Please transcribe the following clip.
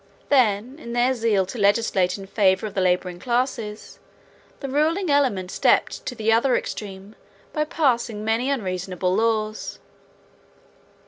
Then, in their zeal to legislate in favor of the laboring classes, the ruling element stepped to the other extreme by passing many unreasonable laws.